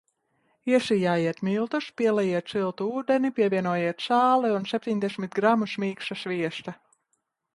Iesijājiet miltus, pielejiet siltu ūdeni, pievienojiet sāli un septiņdesmit gramus mīksta sviesta.